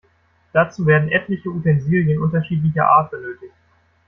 Dazu werden etliche Utensilien unterschiedlicher Art benötigt.